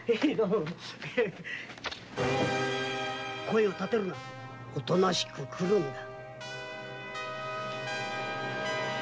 声を立てるなおとなしく来るんだ。